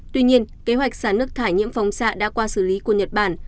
tuy nhiên kế hoạch xả nước thải nhiễm phóng xạ đã qua xử lý của nhật bản